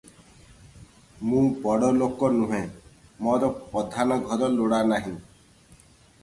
ମୁଁ ବଡ଼ଲୋକ ନୁହେଁ; ମୋର ପଧାନଘର ଲୋଡ଼ା ନାହିଁ ।